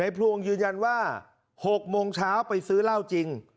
พลวงยืนยันว่า๖โมงเช้าไปซื้อเหล้าจริง